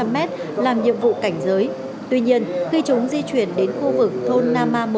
năm trăm linh mét làm nhiệm vụ cảnh giới tuy nhiên khi chúng di chuyển đến khu vực thôn nama một